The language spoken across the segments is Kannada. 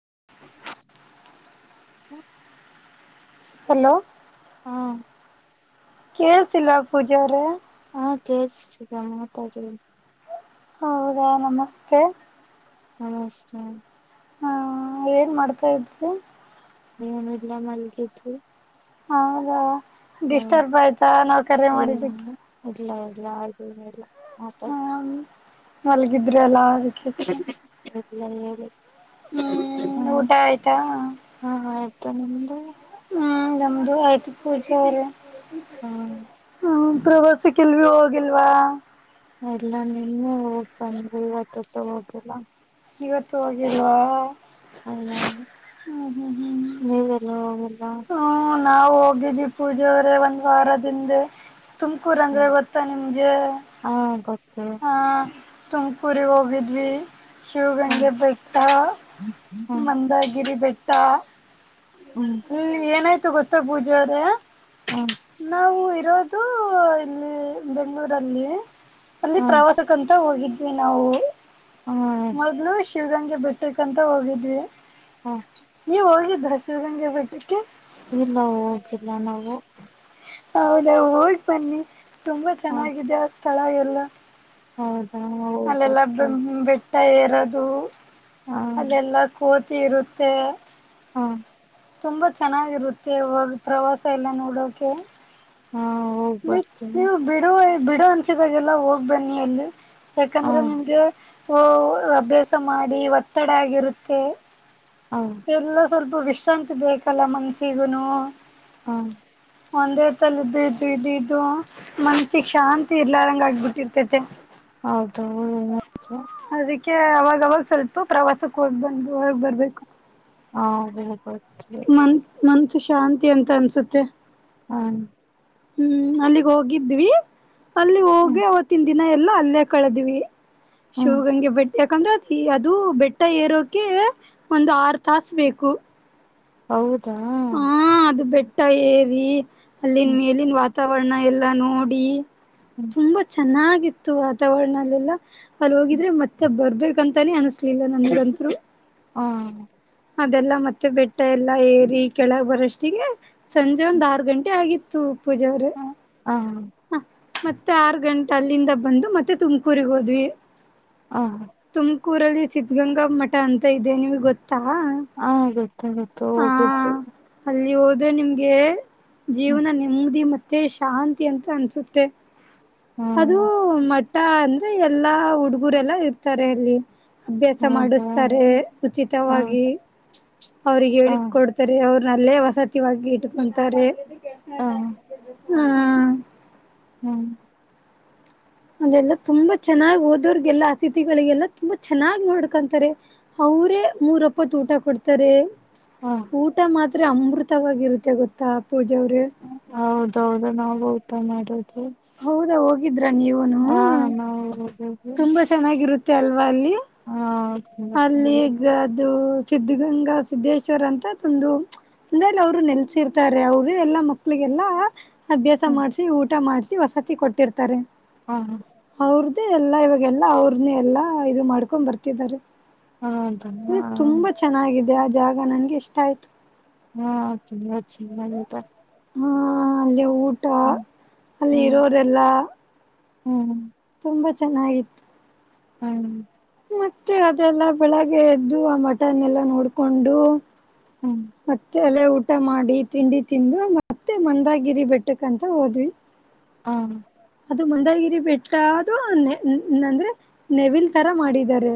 [unintelligible] ಹ ಹಲೋ ಹಾ ಕೇಳ್ತಿಲ್ಲ ಪೂಜಾ ಅವರೇ ಹಾ ಕೇಳಿಸ್ತಿದೆ ಮಾತಾಡ ಹೌದಾ ನಮಸ್ತೆ ನಮಸ್ತೆ ಹ್ಮ ಏನ್ ಮಾಡ್ತಾ ಇದ್ರು ಮನೇಲಿ ಮಲಗಿದ್ವೀ ಹೌದ ಡಿಸ್ಟರ್ಬ್ ಆಯ್ತಾ ನಾವು ಕರೆ ಇಲ್ಲ ಮಾಡಿದಕ್ಕೆ ಇಲ್ಲ ಇಲ್ಲ ಆಲ್ಲತ ಮಲಗೀದ್ರೀ ಎಲ್ಲಾ ಆ [unintelligible] ಹಲ್ಲ ಹ್ಮ್ ಊಟ ಆಯ್ತಾ ನೊಂದು ಹ್ಮ್ ನಮ್ಮದು ಆಯ್ತು ಪೂಜೆ ಅವರೇ ಹ್ಮ ಹ್ಮ ಪ್ರವಾಸಕ್ಕೆಲ್ವಿ ಹೋಗಿಲ್ವಾ ಇಲ್ಲ ನಿನು ಬಂದತ ಪರ್ವಾಗಿಲ್ಲ ಇವತ್ತು ಹೋಗಲ್ವಾ ಹ [unintelligible] ಹ್ಮ ನಾವು ಹೋಗ್ವಿ ಪೂಜೆವ್ರ ಒಂದ್ ವಾರದಿಂದ. ಹ್ಮ ತುಮಕೂರುಂದರೆ ಗೊತ್ತಾ ನಿಮಗೆ. ಹಾ ಗೊತ್ತು ಹಾ ತುಮಕೂರಿಗೆ ಹೋಗಿದ್ವಿ ಹ್ಮ್ ಶಿವಗಂಗೆ ಬೆಟ್ಟ ಹ್ಮ್ ಮಂದಗಿರಿ ಬೆಟ್ಟ ತಾ. ಹ್ಮ್ ಏನಾಯ್ತು ಗತ್ತ ಪೂಜವರೆ ಹ್ಮ್ ನಾವು ಇರೋದು ಇಲ್ಲಿ ಬೆಂಗಳೂರಲ್ಲಿ ಅಲ್ಲಿ ಹ್ಮ್ ಪ್ರವಾಸಕ್ಕಂತ ಹೋಗಿದ್ದ ಇ ನಾವು ಹ್ಮ್ ಮೊದ್ಲು ಶಿವಗಂಗ್. ಬಿಟ್ಟಕಂತ ಹೋಗಿದ್ವಿ ಹ ನೀ ಹಗ ದಸದಂಗೆ ಬಿಟ್ಟಕ್ಕೆ ಇಲ್ಲ ಹೋಗಿಲ್ಲ ನಾವು ಹೌದಾ ಹೋಗ್ ಬನ್ನಿ. ತುಂಬ ಚೆನ್ನಾಗಿದೆ ಸ್ಥಳ ಎಲ್ಲ ಹೌದ್. ಅಲ್ಲೆಲ್ಲ ಬೆಂಮ್ ಭೇಟ್. ಇರದು ಹ ಅದೆಲ್ಲ ಕೂತ್ ತಿಿರುತೆ ಹ್ಮ್ಮ್ ತುಂಬಾ ಚೆನ್ನಾಗಿರುತ್ತೆ ಅವವಾಗ ಪ್ರವಾಸ ಎಲ್ಲ ನೋಡೋಕೆ ಹಾ ಹೋಗ್ ನೀ ಬರ್ತೀನಿ ನೀವು ಬಿಡುವೆ. ಬಿಡು ಅನ್ಸಿದಾಗೆಲ್ಲ ಹೋಗ್ಬೇನ್ನಿ ಎಲ್ಲಿ. ಹ ಯಾಕಂದ್ರೆ ನಿಮಗೆ. ಓ ಅಭ್ಯಾಸ ಮಾಡಿ ಒತ್ತೆಡೆ ಆಗಿರುತ್ತೆ. ಹ ಎಲ್ಲ ಸ್ವಲ್ಪ ವಿಷ್. ಷ್ಟಂತ್ ಬೇಕಲ್ಲ ಮನ್ಸಿಗುನು. ಹಾ. ಒಂದೇ ತಲ್ದು ಇದು ಇದು ಇದು ಮನ್ಸ್ಸಿಿಗೆ ಶಾಂತಿ ಇರ್ಲಾರಂಗ ಆಗ್ಬಿಟ್ಟಿರ್ತತೆ. ಹೌದೌದು.. [inaudible] ೆ ಅವಾಗವಾಗ ಸ್ವಲ್ಪ ಪ್ರವಾಸಕ್ಕೆ ಹೋಗ್ ಬಂದ ಹೋಗ್ ಬರ್ಬೇಕು. ಹಾ. ಬರ್ತೀವಿ ಮನ್ ಮನಸ್. ಶಾಂತಿ ಅಂತ ಅನ್ಸುತ್ತೆ. ಹಾ. ಹ್ಮ್ ಅಲ್ಲಿಗೆ ಹೋಗಿದ್ವಿ. ಅಲ್ಲಿ ಹೋಗ ಹ್ಮ್ ಅವತ್ತನ್. ದಿನ ಎಲ್ಲಾ ಅಲ್ಲೇ ಕಳದಿವವಿ. ಶಿವ ಹ್ಮ್ ಗಂಗೆ ಬಟ್. ಯಾಕಂದ್ರೆ ಅ ಅದು ಬೆಟ್ಟ ಏರೋಕೆ ಒಂದ್ ಆರ್ ತಾಾಸ ಬೇಕು. ಹೌದ್. ಹಾ ಅದು ಬೆಟ್ಟ ಏ. ರೀ. ಅಲ್ಲಿನ್ ಹ್ಮ್ ಮೇಲಿನ ವಾತ್. ತವರ್ಣ ಎಲ್ಲಾ ನೋಡಿ. ಹ್ಮ್ ತುಂಬಾ ಚೆನ್ನಾಗ್. ಇತ್ತು ವಾತಾವರಣಲ್ಲೆಲ್ಲ. ಅಲ್ಲಿ ಹ್ಮ್ ಹೋಗಿದ್ರೆ ಮತ್ತೆ ಬರ್ಬೇಕ್. ಕಾಂತನೆ ಅಸ್. ತಿಲ್ಲ ನನಗಂತರು. ಹಾ. ಅದೆಲ್ಲ ಮತ್ತೆ ಬೆ ಟ್ಟ ಎಲ್ಲ ಏರಿ ಕೆಳಗ್ ಬರ ಅ ತಿಗೆ. ಸಂಜೆ ಒಂದ್ ಆರು ಗಂಟೆ ಆಗಿತ್. ತುಬ್. ಪೂಜಾ ಅವ್ರೆ. ಹ ಹ ಮತ್ತೆ ಆರು ಗಂಟ್. ಅಲ್ಲಿಂದ ಬಂದು ಮತ್ತೆ ತುಮಕೂರಿಗೆ ಹೋದ್ವಿ ಆ ೂರಲ್ಲಿ ಸಿದ್ಧಗಂಗಾ ಮಠ ಅಂತ ಇದೆ ನಿಮ್ಗೆ ಗೊತ್ತ ಹ ಗೊತ್ತಾಗತ್ತು ಹ ಹೋಗಿದ್ವಿ ಅಲ್ಲಿ ಅದು ನಿಮ್ಗೆ ಹ್ಮ್ ಜೀವನ ನಿೆಮ್ಮಗ್ದಿ ಮತ್ತೆ ಶಾಂತಿ ಅಂತ ಅನ್ಸುತ್ತೆ ಹಾ ಅದು ಮ ಊಟ ಅಂದ್ರೆ ಎಲ್ಲಾ ಹುಡುಗರೆಲ್ಲಾ ಇರ್ತಾರೆ ಅಲ್ಲಿ ಅಭ್ಯಾಸ ಹೌದಾ ಮಾಡಿಸ್ತಾರೆ ಹ ಉಚಿತವಾಗಿ ಅವ್ರಿಗೆ ಹ ಹೇಳ ಕೊಡ್ತಾರೆ ಅವರು ನಲ್ಲೇ ವಸತಿವಾಗಿ ಇಟ್ಕೊಂತಾರೆ ಕೆ ಹ ಹ್ಮ ಹ್ಮ್ ಅಲ್ಲೆಲ್ಲಾ ತುಂಬಾ ಚೆನ್ನಾಗ್ ಓದೋರ್ಗೆಲ್ಲಾ ಅತಿಥಿಗಳಿಗೆಲ್ಲಾ ತುಂಬಾ ಚೆನ್ನಾಗ್ ನೋಡ್ಕೊಂತಾರೆ ಅವ್ರೇ ಮೂರ್ ಅಪ್ಪತ್ ಊಟ ಕೊಡ್ತಾರೆ ಹ ಊಟ ಮಾತ್ ಅಮೃತವಾಗಿರುತ್ತೆ ಗೊತ್ತಾ ಪೂಜಾರೆ ಹೌದ ನಾವು ಊಟ ಮಾಡದು ಹೌದಾ ಹೋಗಿ ಹಗಿದ್ರ ನೀವನು ನಾವು ಹೋಗಿದ್ವಿ ತುಂಬಾ ಚೆನ್ನಾಗಿ ರುತ್ತೆಲ್ ಲ್ಲಿ ಹಾ ತುಂಬಾ ಅಲ್ಲಿ ಈಗ ಚೆನ್ನಾಗಿತ್ತು ಅದು ಸಿದ್ಧಗಂಗಾ ಸಿದ್ದೇಶ್ವರ್ ಅಂತೊಂದು ಅಂದ ಅವರು ನೆಲೆಸಿರ್ತಾರೆ ಅವರು ಎಲ್ಲಾ ಮಕ್ಳಿಗೆಲ್ಲಾ ಅಭ್ಯಾಸ ಮಾಡ್ಸಿ ಊಟ ಮಾಡ್ಸ ವಸತಿ ಕೊಟ್ಟಿರ್ತಾರೆ ಹಾ ಅವ್ರ್ದೇ ಎಲ್ಲಾ ಇವಾಗೆಲ್ಲಾ ಅವ್ರನೆಎಲ್ಲಾ ಇದು ಮಾಡ್ಕೊಂಡ್ ಬರ್ತಿದ್ದಾರೆ ಇ ಹೌದಾ ತುಂಬಾ ಚೆನ್ನಾಗಿದೆ ಅ ಜಾಗ ನನ್ಗೆ ಇಷ್ಟ ಆಯ್ತು ಹಾ ಚತ ಆ ಅಲ್ಲೇ ಊರಿಗೆ ಊಟ ಅಲ್ಲಿ ಇರೋರೆಲ್ಲಾ ಹ್ಮ ತುಂಬಾ ಚೆನ್ನಾಗಿತ್ ಹ್ಮ ಮತ್ತೆ ಅದೆಲ್ಲಾ ಬೆಳಗ್ಗೆ ಎದ್ದು ಆ ಮಟನ್ ಎಲ್ಲಾ ನೋಡ್ಕೊಂಡು ಹ್ಮ್ ಮತ್ತೆ ಅಲ್ಲ ಉಟ್. ಊಟ ಮಾಡಿ ತಿಂಡಿ ತಿಂದು ಮತ್ತೆ ಮಂದಾಗಿರಿ ಬೆಟ್ಟಕಂತ ಹೋದ್ವಿ. ಹಾ ಅದು ಮಂದಾಗಿರಿ ಬೆಟ್ಟ ಅದು ಅಂದ್ರೆ ನೆವಿಲ್ ತರ ಮಾಡಿದ್ದಾರೆ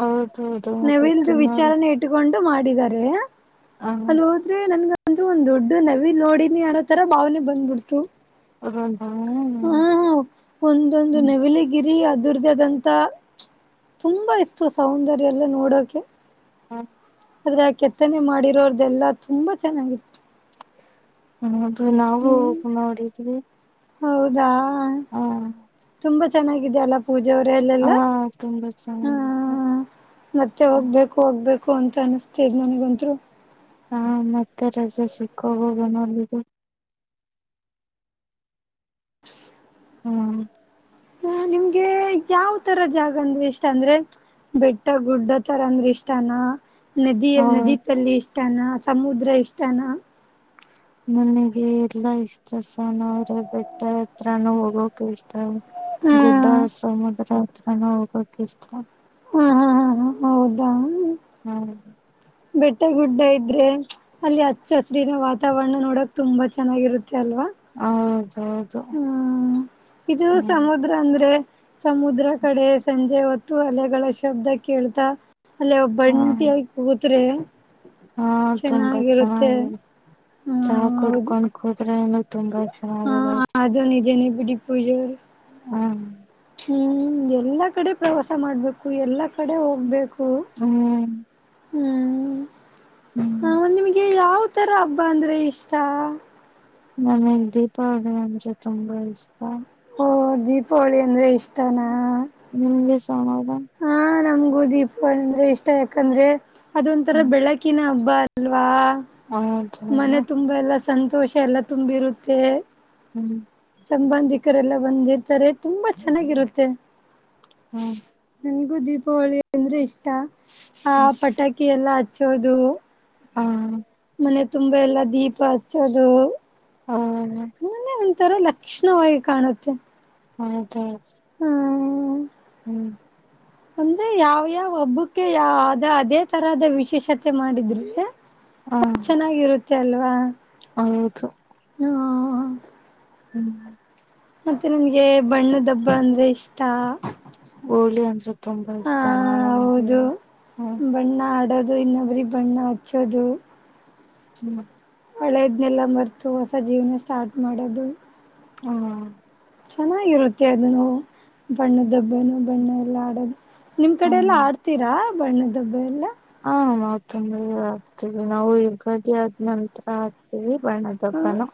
ಹೌದೌದು ಗೊತ್ತು ನವಲ್ದು ನೋಡಿ ವಿಚಾರಣ ಇಟ್ಕೊಂಡು ಎ ಮಾಡಿದಿದ್ದಾರೆ ಹ ಅಲ್ಲಿ ಹೋದ್ರಿ ನನ್ಗ ಅಲ್ ಅಲ್ಲಿ ಒಂದ್ ದೊಡ್ಡ ನವೀನ್ ನೋಡಿನಿ ಅನ್ನೋ ತರ ಭಾವನೆ ಬಂದ್ಬಿಡ್ತು. ರೋ. ಹಾ ಹ ಒಂದೊಂದು ಹ್ಮ್ ನೆವಿಲಿಗಿರಿ ಅದ್. ದುರ್ಗಾದಂತ ತುಂಬಾ ಇತ್ತು ಸೌಂದರ್ಯ ಎಲ್ಲ ನೋಡೋಕೆ. ಹ. ಅದ್ರ ಕೆತ್ತನೆ ಮಾಡಿರೋರ್ದೆಲ್ಲಾ ತುಂಬಾ ಚೆನ್ನಾಗಿತ್ತು ಹ್ಮ್ ದು ನಾವು ಹ್ಮ್ ಗುಣ ಹೊಡಿದೀವಿ ಹೌದಾ ಹಾ ತುಂಬಾ ಚೆನ್ನಾಗಿದೆ ಪೂಜೆ ಅವ್ರ ಎಲ್ಲಲ್ಲ ತುಂಬಾ ಚೆನ್ನಾಗಿದೆ ಹ್ಮ ಮತ್ತೆ ಹೋಗ್ಬೇಕು ಹೋಗ್ಬೇಕ್. ಕೋ ಅಂತ ಅನಿಸ್ತದ ನಂಗಂತ್ರು. ಹಾ ಮತ್ತೆ ರಜೆ ಸಿಕ್ಕೋಗೋಗ ನೋದಿದೆ. ಹ್ಮ್ ಹ ನಿಮ್ಗೆ ಯಾವ ತರ ಜಾಗ ಅಂದ್ರೆ ಇಷ್ಟ ಅಂದ್ರೆ ಬೆಟ್ಟ ಗುಡ್ಡ ತರ ಅಂದ್ರೆ ಇಷ್ಟಾನ ಹ ನೆದಿಯ ನದಿ ತಲ್ಲಿ. ಇಷ್ಟಾನ ಸಮುದ್ರ ಇಷ್ಟಾನ ನನಗೆ ಎಲ್ಲಾ ಇಷ್ಟಸ ನ ಅವ್ರೆ ಬೆಟ್ಟ ಹತ್ರಾನ ಹೋಗೋಕ ಇಷ್. ಹ್ಮ ಗುಡ್ಡ ಸಮುದ್ರ. ಅಲ್ಲೋಗಿಷ್ಟ ಹ್ಮ್ ಹ್ಮ್ ಹ್ಮ್ ಹ್ಮ್ ಹೌದಾ ಹಾ ಬೆಟ್ಟ ಗುಡ್ಡ ಇದ್ರೆ ಅಲ್ಲಿ ಹಚ್ಚ ಹಸರಿನ ವಾತಾವರಣ ನೋಡಕ್ ತುಂಬಾ ಚೆನ್ನಾಗಿರುತ್. ಹೌದ್. ಹ್ಮ ಇದು ಹ್ಮ್ ಸಮುದ್ರ ಅಂದ್ರೆ ಸಮುದ್ರ ಕಡೆ ಸಂಜೆ ಹೊತ್ತು ಅಲೆಗಳ ಶಬ್ದ ಕೇಳ್ತಾ ಅಲ್ಲೇ ಒಬ್ ಹಾ ಬಂಟಿ ಕು ಮತ್ತೆ ರಿ ಹಾ ತುಂಬಾ ಚೆನ್ನಾಗಿ ಹಾ ಚಹಾ ಹೌದು ಕುಡ್ಕೊಂಡ್ ಕುಂತ್ರೆ ಏನ ಹಾ ಅದು ನಿಜಾ ನೆ ಬಿಡಿ ಗುಡಿ ಪೂಜೆರ್ ಹ ಹ್ಮ್ ಎಲ್ಲಾ ಕಡೆ ಪ್ರವಾಸ ಮಾಡಬೇಕ್ ಎಲ್ಲಾ ಕಡೆ ಹೋಗಬೇಕ್ ಹ್ಮ್ ಹ್ಮ್ ಹ್ಮ್ ಹಂ ನಿಮಗೆ ಯಾವದ ಯಾವ್ ತರಾ ಹಬ್ಬ ಅಂದ್ರೆ ಇಷ್ಟ ನನಗ ದೀಪಾವಳಿ ಅಂದ್ರೆ ತುಂಬಾ ಇಷ್ಟ ಓ ದೀಪಾವಳಿ ಅಂದ್ರೆ ಇಷ್ಟ ಅಂತಾನಾ ನಿಮ್ಗೆ ಸಮಾಧಾನ ಹಾ ನಮಗೂ ಸುದೀಪ ಅಂದ್ರೆ ಇಷ್ಟ ಯಾಕ ಅಂದ್ರೆ ಅದೊಂಥರ ಬೆಳಕಿನ ಹಬ್ಬ ಬಲ್ವಾ ಹ್ಮ ಮನೆ ತುಂಬಾ ಎಲ್ಲ ಸಂತೋಷ ಎಲ್ಲಾ ತುಂಬಿರುತ್ತೆ ಹ್ಮ್ ಸಂಬಂಧಿಕರೆಲ್ಲ ಬಂದಿರುತ್ತಾರೆ ತುಂಬಾ ಚೆನ್ನಾಗಿರುತ್ತೆ ಹ್ಮ್ ನನಗೂ ದೀಪಾವಳಿ ಅಂದ್ರೆ ಇಷ್ಟ ಹಾ ಹ್ಮ್ ಪಟಾಕಿ ಎಲ್ಲಾ ಹಚ್ಚೋದು ಹ್ಮ ಮನೆ ತುಂಬಾ ಎಲ್ಲ ದೀಪ ಹಚ್ಚೋದು ಹೌದು ಹೇಳದಿ ಒಂದ ತರಾ ಲಕ್ಷಣವಾಗಿ ಕಾಣುತ್ತೆ ಹೌದಾ ಹ್ ಹ್ಮ್ ಅಂದ್ರೆ ಯಾವ ಯಾವ ಹಬ್ಬಕ್ಕೆ ಯಾವ ಅದೇ ತರದ ವಿಶೇಷತೆ ಮಾಡಿದ್ರಿ ಹ ಹ ಚೆನ್ನಾಗಿರುತ್ತೆ ಕೆಲ್ವ ಹೌದು ಹ್ಮ್ [inaudible] ಮತ್ತೆ ನನ್ಗೆ ಬಣ್ಣದ ಹಬ್ಬ ಅಂದ್ರೆ ಇಷ್ಟ.. [unintelligible] ಹಳ್ಳ ಅ.. [inaudible] ತುಂಬಾ ಹ ಇಷ್ಟ ಮ ಹ್ಮ.. [inaudible] ಅದು ಇನ್ನ ಬರಿ ಬಣ್ಣ ಹಚ್ಚೋದು.. [unintelligible] ಹ್ಮ್.. [inaudible] ಹಳೆಯದ್ನೆಲ್ಲ ಮರ್ತು ಹೊಸ ಜೀವನ ಸ್ಟಾರ್ಟ್ ಮಾಡೋದು.. [unintelligible] ಹ್ಮ [inaudible] ಚೆನ್ನಾಗಿರುತ್ತೆ ಅದನ್ನು ಬಣ್ಣ ದಬ್ಬನು ಬಣ್ಣ ಎಲ್ಲ ಆಡದು [unintelligible] ನಿಮ್ ಕಡೆ ಎಲ್ಲ ಹ್ಮ್ ಆಡ್ತೀರಾ... [unintelligible] ಬಣ್ಣದ ಹಬ್ಬ ಎಲ್ಲ [inaudible] ಹಾ ಮ ತೊಂಬ ಆಡ್ತೇವಿ ನಾವು ಯುಗಾದಿ ಆದ್ ನಂತತ್ರ ಆಡ್ತೀವಿ.. [unintelligible] ಬ್ಣದಪ್ಪಾನೋ.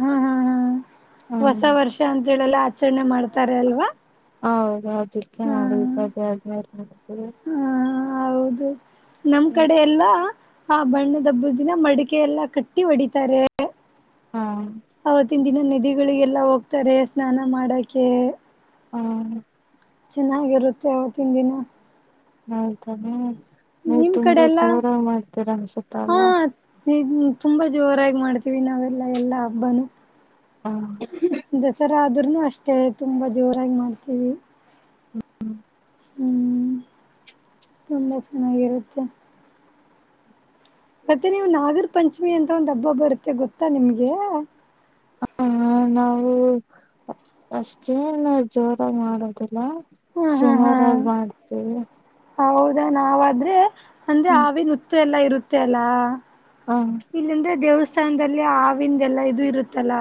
ಹ್ಮ್ ಹ್ಮ್ ಹ್ಮ್.. [inaudible] ಹೊಸ ವರ್ಷ ಅಂತ.. [inaudible] ಜಲ್ಲ.. [inaudible] ಆಚರಣೆ ಮಾಡ್ತಾರೆ ಅಲ್ವಾ. ಹೌದೌದು. ಹಾ ಚಪದ.. [inaudible] ಹಾ ಹೌದು.. [inaudible] ನಮ್ ಕಡೆ ಎಲ್ಲ.. [inaudible] ಹಾ ಬಣ್ಣದ ಹಬ್ಬ ದಿನ ಮಡಿಕೆ ಎಲ್ಲಾ ಕಟ್ಟಿ ಹೊಡಿತಾರೆ.. [unintelligible] ಹಾ.. [inaudible] ಇನ್ನು ನಿಧಿಗಳಿಗೆಲ್ಲ ಹೋಗ್ತಾರೆ ಸ್ನಾನ ಮಾಡಕ್ಕೆ.. [unintelligible] ಹ್ಮ.. [inaudible] ಚೆನ್ನಾಗಿರುತ್ತೆ ಆವತ್ತಿನ ದಿನ.. [unintelligible] ಹೌದ ಹ್ಮ್.. [inaudible] ನೀ್ ನಿಮ್ ಕಡೆ ತುಂಬಾ ಎಲ್ಲಾ ಜೋರ ಮಾಡ್ತೀರಾ ಹಸತ ಹಾ ಅಲ್ವಾ.. [unintelligible] ತುಂಬಾ ಜೋರಾಗಿ ಮಾಡ್ತೀವಿ ನಾವೆಲ್ಲಾ ಎಲ್ಲಾ ಹಬ್ಬನುೂ.. [unintelligible] ಹಾ.. [inaudible] ದಸರಾಾದ್ೂನು ಅಷ್ಟೇ ತುಂಬಾ ಜೋರಾಗಿ ಮಾಡ್ತೀವಿ. ಹ್ಮ್ ಹ್ಮ್ [inaudible] ಹ್ಮ್ ತುಂಬಾ ಚೆನ್ನಾಗಿರುತ್ತೆ.. [unintelligible] ಮತ್ತೆ ನೀವು ನಾಗರ ಪಂಚಮಿ ಅಂತ ಒಂದ್ ಹಬ್ಬ ಬರುತ್ತೆ ಗೊತ್ತಾ ನಿಮ್ಗೆ.. [unintelligible] ಹ ನಾವು ಅಷ್ಟೇನ ಜವರ ಮಾಡೋದಿಲ್ಲ.. [inaudible] ಹ್ಮ್ ಹ್ಮ್ ಹ್ಮ್ ಸುಮಾರಾಗಿ ಮಾಡ್ತೇ.. [inaudible] ಹೌದಾ ನಾವಾದ್ರೆ.. [inaudible] ಅಂದ್ರೆ ಆ ಹ್ಮ್ ನುತ್ತು ಎಲ್ಲ.. [inaudible] ಎಲ್ಲ ಇರುತ್ತೆ ಅಲ್ಲ.. ಹ [inaudible] ಇಲ್ಲಂದ್ರೆ ದೇವಸ್ಥ--. ದೇವಸ್ಥಾನ್ದಲ್ಲಿ ಆವಿಂದ ಎಲ್ಲಾ ಇದು ಇರುತ್ತಲ್ಲ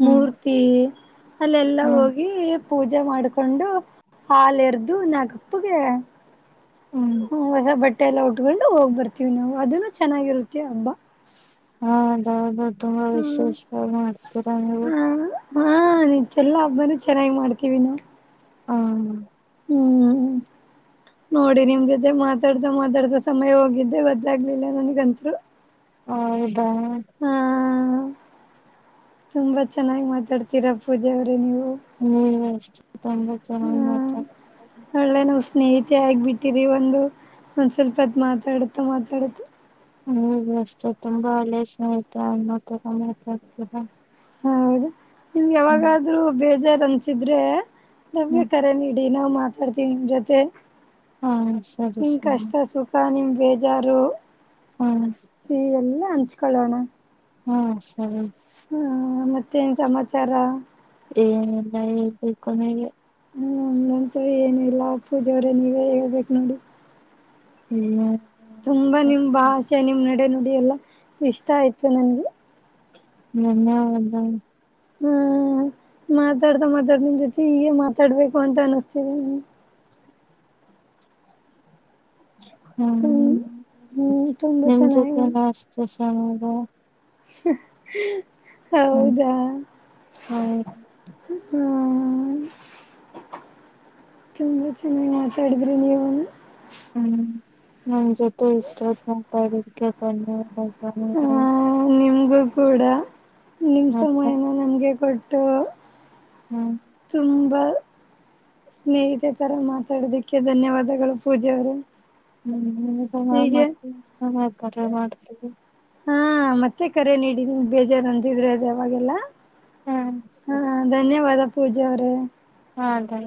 ಹ್ಮ್ ಮೂರ್ತಿ ಅಲ್ಲೆಲ್ಲ ಹ್ಮ್ ಹೋಗಿ ಪೂಜೆ ಮಾಡ್ಕೊಂಡು--. ಹಾಲೆರ್ದು ನಾಗಪ್ಪಗೆ--. ಹ್ಮ್ ಹ್ಮ ಹೊಸ ಬಟ್ ಟ್ಟೆ ಎಲ್ಲಾ ಉಟ್ಕೊಂಡು ಹೋಗ್ ಬರ್ತೀವಿ ನಾವು ಅದುನು ಚೆನ್ನಾಗಿರುತ್ತೆ ಹಬ್ಬ ಹಾ ಅಜ್ಜಾ ಹೌದು ಹೌದು. ತುಂಬಾ ಹ್ಮ್ ವಿಶೇಷವಾಗಿ ಮಾಡ್ತೀರಾ ನೀವು ಹ ಹಾ ನಿ ಚೆಲ್ಲ ಹಬ್ಬಾನು ಚೆನ್ನಾಗಿ ಮಾಡ್ತೀವಿ ನಾವು. ಹ್ಮ. ಹ್ಮ್ ನೋಡಿ ನಿಮ್ ಜೊತೆ ಮಾತಾಡ್ತಾ ಮಾತಾಡ್ತಾ ಸಮಯ ಹೋಗಿದ್ದೆ ಗೊತ್ತಾಗ್ಲಿಲ್ಲ ನನ್ಗಂತ್ರು. ಹಾ [unintelligible] ತಾ ಹಾ ತುಂಬಾ ಚೆನ್ನಾಗಿ ಮಾತಾಡ್ತೀರಾ ಪೂಜ ಅವ್ರೆ ನೀವು ನೀವೆಷ್ಟು ತುಂಬಾ ಚೆನ್ನಾಗಿ ಹ್ಮ ಮಾತಾಡ್ತೀರಾ ಒಳ್ಳೆ ನಮ್ ಸ್ನೇಹಿತೆ ಆಗ್ಬಿಟ್ಟಿರಿ ಒಂದು ಒಂದ್ ಸ್ವಲ್ಪತ್ ಮಾತಾಡುತ್ತ ಮಾತಾಡುತ್ತ ಹ್ಮ್ ನೀವುಷ್ಟೇ ತುಂಬಾ ಒಳ್ಳೆ ಸ್ನೇಹಿತೆ ಅನ್ನೋತರ ಮಾತಾಡ್ತೀರಾ ಹೌದು ನಿಮ್ಗೆ ಹ್ಮ್ ಯಾವಾಗಾದ್ರೂ ಬೇಜಾರ--. ಅನ್ಸಿದ್ರೆ--. ನಮ್ಗೆ ಹ್ಮ್ ಕರೆ ನೀಡ್ ದಿನಾ ಮಾತಾಡ್ತೀವಿ ನಿಮ್ ಜೊತೆ ಹಾ ಸರಿ ನಿಮ್ ಸರಿ ಕಷ್ಟ ಸುಖ ನಿಮ್ದು. ಬೇಜಾರು--. ಹಾ ಸಿ ಎಲ್ಲ ಅಂಚ್ ಕಳಾಣಾ. ಹ ಸರಿ ಮ ಹ್ಮ ಮತ್ತೆನ್ ಸಮಾಚಾರ ಏನಿಲ್ಲ ಹೇಳಬೇಕು ನೀವೇ ಹ್ಮ ನಂತೇಲಿ ಏನಿಲ್ಲ ಪೂಜಾ ಅವರೇ ನೀವೇ ಹೇಳ್ಬೇಕು ನೋಡಿ. [unintelligible] ತುಂಬಾ ನಿಮ್ ಭಾಷೆ ನಿಮ್ ನಡೆ ನುಡಿ ಎಲ್ಲ ಇಷ್ಟ ಆಯ್ತು ನನ್ಗೆ. ನಂದ್ ಅಂದಾನ್. ಹ್ಮ ಮಾತಾಡ್ತಾ ಮಾತಾಡ್ತಾ ನಿಮ್ ಜೊತೆ ಹೀಗೆ ಮಾತಾಡ್ಬೇಕು ಅಂತ ಅನಿಸ್ತಿದೆ ಹ್ಮ್ಮ್ ತು ಹ್ಮ ಹ್ಮ್ ತುಂಬಾ ನಿಮ್ ಚೆನ್ನಾಗಿ ಜೊತೆಯಲ್ಲ ಅಷ್ಟ ಅಷ್ ಹೆಂಗೋ ಹ ಹ. ಹ್ಮ್ ಹೌದಾ ಹೌದು ಹ ಹ್ಮ ತುಂಬಾ ಚೆನ್ನಾಗಿ ಮಾತಾಡಿದ್ರಿ ನೀವು. ಹ್ಮ್ ಹ್ಮ್ ಜತೆ ಇಷ್ಟ ತಡ ಬ ಹಹ ನಿಮ್ಗೂ ಕೂಡ ನಿಮ್ ಮತ್ತೆ ಸಮಯನ ಹ ಹ್ಮ್ ತುಂಬಾ ಸ್ನೇಹಿತೆ ತರ ಮಾತಾಡದಿಕ್ಕೆ ಧನ್ಯವಾದಗಳು ಪೂಜಾ ಅವರೇ. ಹ್ಮ್ ಾ ಮತ್ತೆ ನ್ದರ ಮಾಡ್ತೀವಿ ಹಾ ಮತ್ತೆ ಕರೆ ನೀಡಿ ನೀ ಬೇಜಾರು ಅಂದಿದ್ರೆ ಅದು ಅವಾವಾಗೆಲ್ಲ. ಹಾಂ ಹಾ ಸರಿ ಧನ್ಯವಾದ ಪೂಜಾ ಅವರೇ. ಹಾದಾ.